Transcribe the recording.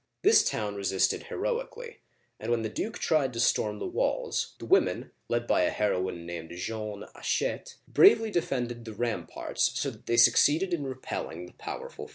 This town resisted heroically, and when the duke tried to storm the walls, the women, led by a heroine named Jeanne Hachette (zhan a shet'), bravely defended the ram parts, so that they succeeded in repelling the powerful foe.